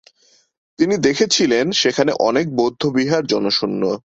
তিনি দেখেছিলেন, সেখানে অনেক বৌদ্ধ বিহার জনশূন্য।